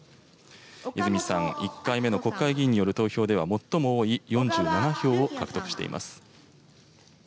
泉さん、１回目の国会議員による投票では、最も多い４７票を獲得しています。